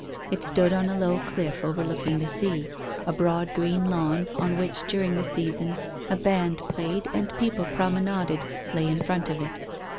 It stood on a low cliff overlooking the sea; a broad green lawn, on which during the season a band played and people promenaded, lay in front of it.